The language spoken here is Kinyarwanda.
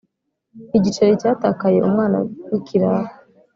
Igiceri cyatakaye umwana w ikirara